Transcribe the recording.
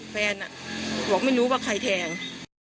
แฟนบอกไม่รู้ว่าใครแทง